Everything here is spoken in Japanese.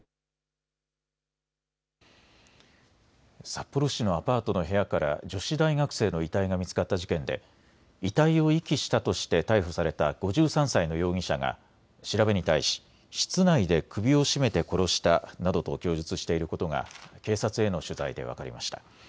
札幌市のアパートの部屋から女子大学生の遺体が見つかった事件で遺体を遺棄したとして逮捕された５３歳の容疑者が調べに対し室内で首を絞めて殺したなどと供述していることが警察への取材で分かりました。